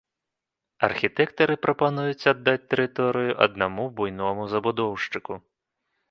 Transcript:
Архітэктары прапануюць аддаць тэрыторыю аднаму буйному забудоўшчыку.